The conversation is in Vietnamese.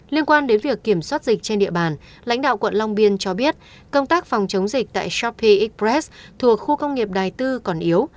liên quan đến việc kiểm soát dịch trên địa bàn lãnh đạo quận long biên cho biết công tác phòng chống dịch tại shopee express thuộc khu công nghiệp đài tư còn yếu